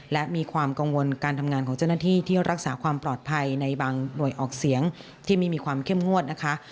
และมีความกังวลการทำงานของเจ้าหน้าที่ที่รักษาความปลอดภัยในบางหน่วยออกเสียงที่ไม่มีความเข้มงวดนะคะ